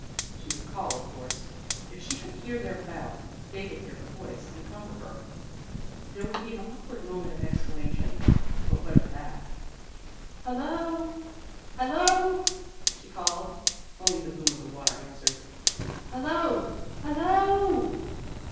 She would call, of course. If she could hear their bell, they could hear her voice and come for her. There would be an awkward moment of explanation, but what of that? "Hallo! Hallo o o!" she called. Only the boom of the water answered. "Hallo! Hallo o o!"